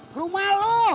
ke rumah lo